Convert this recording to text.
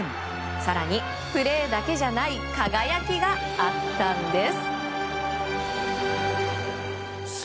更に、プレーだけじゃない輝きがあったんです。